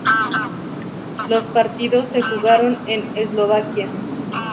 Los partidos se jugaron en Eslovaquia.